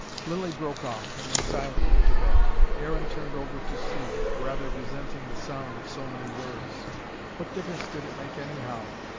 Lilly broke off, and went silently to bed. Aaron turned over to sleep, rather resenting the sound of so many words. What difference did it make, anyhow?